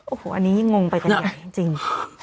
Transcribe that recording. โอ้โหอันนี้ยิ่งงงไปกันใหญ่จริง